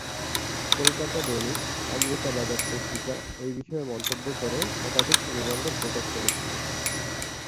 কলকাতা দৈনিক "অমৃতা বাজার পত্রিকা" এই বিষয়ে মন্তব্য করে একাধিক নিবন্ধ প্রকাশ করেছিল।